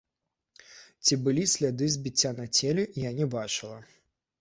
Ці былі сляды збіцця на целе, я не бачыла.